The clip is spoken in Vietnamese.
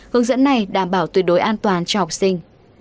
hướng dẫn này đảm bảo tuyệt đối an toàn cho học sinh